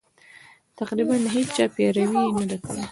تقریباً د هېچا پیروي یې نه ده کړې.